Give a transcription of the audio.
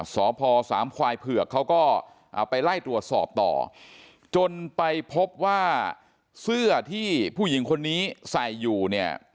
สพสามควายเผือกเขาก็ไปไล่ตรวจสอบต่อจนไปพบว่าเสื้อที่ผู้หญิงคนนี้ใส่อยู่เนี่ย